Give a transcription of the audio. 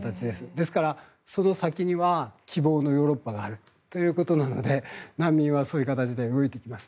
ですから、その先には希望のヨーロッパがあるということなので難民はそういう形で動いていきます。